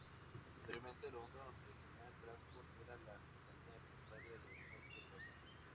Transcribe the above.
Anteriormente London Regional Transport era la compañía propietaria del Metro de Londres.